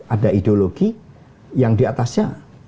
ada ideologi yang diatasnya